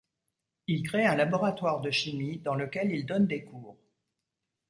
Il crée un laboratoire de chimie dans lequel il donne des cours.